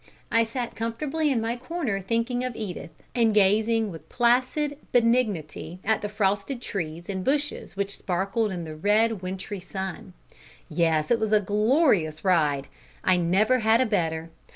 I sat comfortably in my corner thinking of Edith, and gazing with placid benignity at the frosted trees and bushes which sparkled in the red wintry sun. Yes, it was a glorious ride! I never had a better.